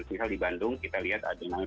misal di bandung kita lihat ada namanya